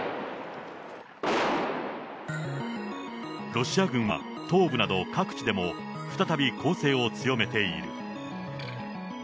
ロシア軍は、東部など各地でも再び攻勢を強めている。